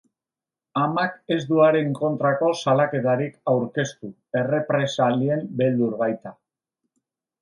Amak ez du haren kontrako salaketarik aurkeztu, errepresalien beldur baita.